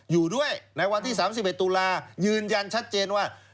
อยู่ด้วยในวันที่๓๑ตุลายืนยันชัดเจนว่า